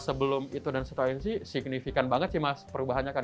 sebelum itu dan setelah ini sih signifikan banget sih mas perubahannya kan